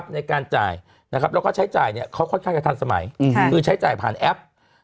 ในการจ่ายแล้วก็ใช้จ่ายเขาค่อนข้างจะทันสมัยคือใช้จ่ายผ่านแอป